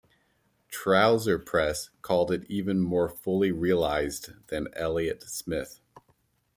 "Trouser Press" called it "even more fully realized" than "Elliott Smith".